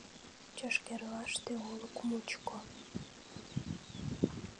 Чашкерлаште, олык мучко